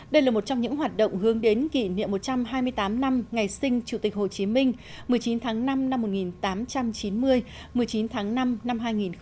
đây là một trong những hoạt động hướng đến kỷ niệm một trăm hai mươi tám năm ngày sinh chủ tịch hồ chí minh một mươi chín tháng năm năm một nghìn tám trăm chín mươi một mươi chín tháng năm năm hai nghìn hai mươi